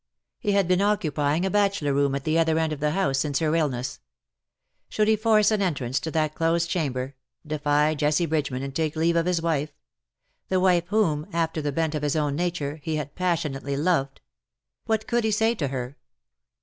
He had been occupying a bachelor room at the other end of the house since her illness. Should he force an entrance to that closed chamber — defy Jessie Bridgeman, and take leave of his wife ? the wife whom^ after the bent of his own nature, he had passionately loved. What could he say to her?